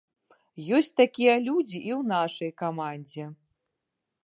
Ёсць такія людзі і ў нашай камандзе.